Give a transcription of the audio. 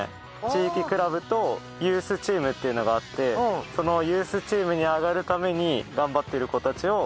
地域クラブとユースチームっていうのがあってそのユースチームに上がるために頑張ってる子たちを。